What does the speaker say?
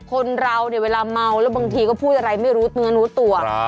คนเราเวลาเมาแล้วบางทีก็พูดอะไรไม่รู้ตัว